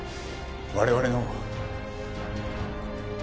我々の。